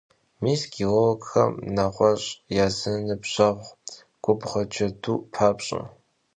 Mis gêologxem neğueş' ya zı nıbjeğui — gubğue cedu - papş'e.